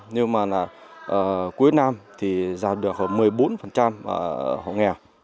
nhưng cuối năm thì giả được khoảng một mươi bốn hộ nghèo